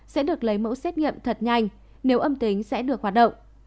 sẽ được lấy mẫu xét nghiệm thật nhanh nếu âm tính sẽ được hoạt động